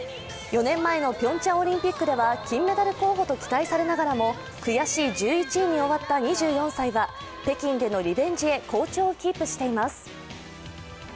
４年前のピョンチャンオリンピックでは金メダル候補と期待されながらも悔しい１１位に終わった２４歳は北京でのリベンジへ好調をキープしています。